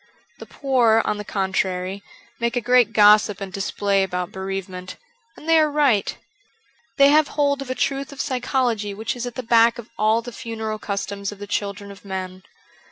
The poor, on the contrary, make a great gossip and display about bereavement ; and they are right. They have hold of a truth of psychology which is at the back of all the funeral customs of the children of men.